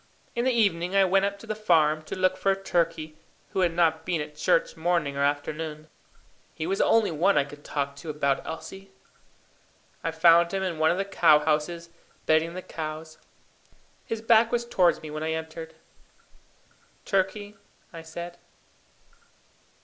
In the evening I went up to the farm to look for Turkey, who had not been at church morning or afternoon. He was the only one I could talk to about Elsie. I found him in one of the cow houses, bedding the cows. His back was towards me when I entered. "Turkey," I said.